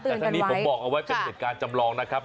แต่ทั้งนี้ผมบอกเอาไว้เป็นเหตุการณ์จำลองนะครับ